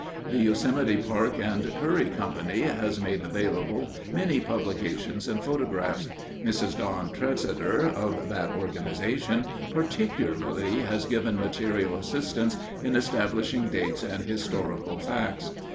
The Yosemite Park and Curry Company has made available many publications and photographs. Mrs. Don Tresidder of that organization, particularly, has given material assistance in establishing dates and historical facts.